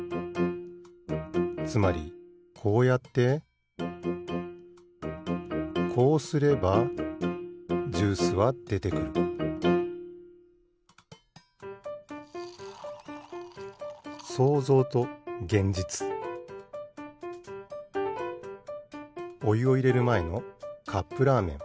つまりこうやってこうすればジュースはでてくるおゆをいれるまえのカップラーメン。